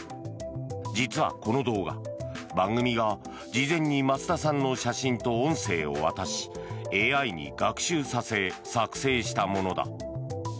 実はこの動画、番組が事前に増田さんの写真と音声を渡しＡＩに学習させ作成したものだ。